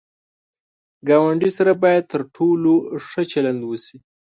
ګاونډي سره باید تر ټولو ښه چلند وشي